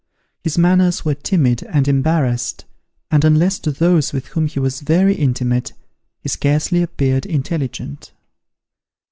His manners were timid and embarrassed, and, unless to those with whom he was very intimate, he scarcely appeared intelligent.